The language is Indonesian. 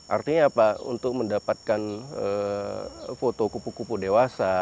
artinya apa untuk mendapatkan foto kupu kupu dewasa